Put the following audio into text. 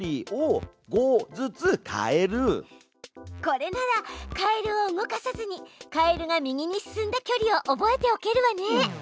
これならカエルを動かさずにカエルが右に進んだ距離を覚えておけるわね。